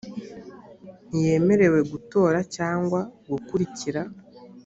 ntiyemerewe gutora cyangwa gukurikira